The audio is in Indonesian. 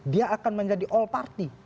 dia akan menjadi all party